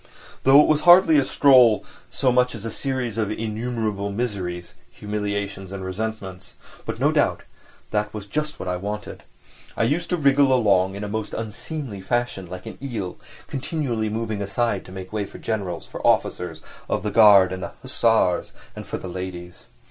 Though it was hardly a stroll so much as a series of innumerable miseries, humiliations and resentments; but no doubt that was just what I wanted. I used to wriggle along in a most unseemly fashion, like an eel, continually moving aside to make way for generals, for officers of the guards and the hussars, or for ladies.